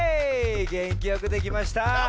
げんきよくできました。